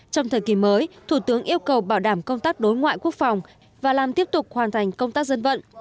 trong thời kỳ mới thủ tướng yêu cầu bảo đảm công tác đối ngoại quốc phòng và làm tiếp tục hoàn thành công tác dân vận